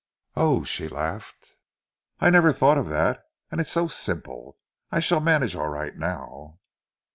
"Oh," she laughed, "I never thought of that, and it is so simple. I shall manage all right now."